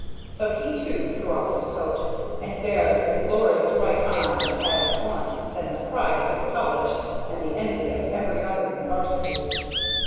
So he, too, threw off his coat and bared the glorious right arm that had at once been the pride of his college and the envy of every other in the 'varsity.